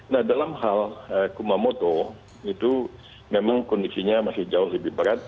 nah dalam hal kumamoto itu memang kondisinya masih jauh lebih berat